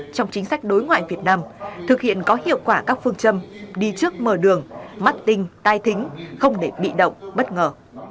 trong chính sách đối ngoại việt nam thực hiện có hiệu quả các phương châm đi trước mở đường mắt tinh tai thính không để bị động bất ngờ